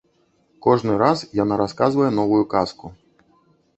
Кожны раз яна расказвае новую казку.